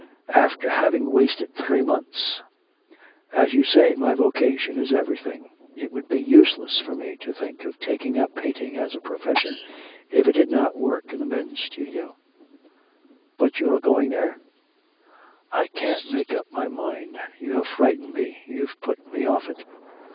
'After having wasted three months! As you say my vocation is everything. It would be useless for me to think of taking up painting as a profession, if I did not work in the men's studio.' 'But are you going there?' 'I can't make up my mind. You have frightened me, you've put me off it.'